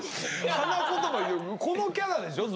花言葉よりこのキャラでしょずっと。